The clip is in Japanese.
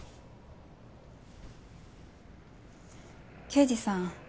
刑事さん